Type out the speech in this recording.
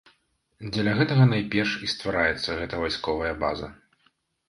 Дзеля гэтага найперш і ствараецца гэта вайсковая база.